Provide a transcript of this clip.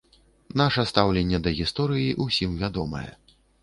Наша стаўленне да гісторыі ўсім вядомае.